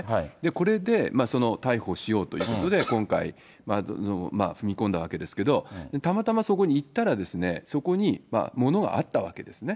これで逮捕しようということで、今回踏み込んだわけですけど、たまたまそこに行ったら、そこにものがあったわけですね。